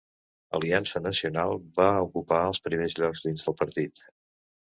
Aliança Nacional va ocupar els primers llocs dins del partit.